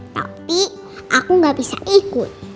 tapi aku gak bisa ikut